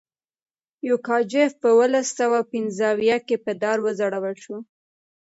یوګاچف په اوولس سوه پنځه اویا کې په دار وځړول شو.